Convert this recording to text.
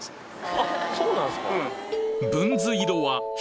あっそうなんすか。